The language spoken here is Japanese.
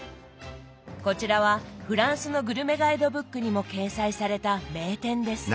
こちらはフランスのグルメガイドブックにも掲載された名店です。